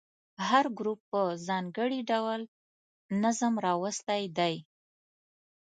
هر ګروپ په ځانګړي ډول نظم راوستی دی.